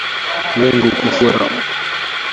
Wengu kufura